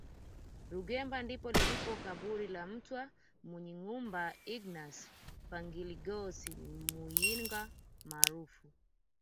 Rugemba ndipo lilipo kaburi la mtwa Munyigumba Ignas Pangiligosi Muyinga maarufu